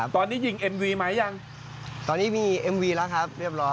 ตอนนี้ยิงเอ็มวีมายังตอนนี้มีเอ็มวีแล้วครับเรียบร้อย